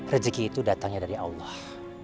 rezeki itu datangnya dari allah